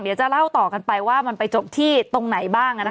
เดี๋ยวจะเล่าต่อกันไปว่ามันไปจบที่ตรงไหนบ้าง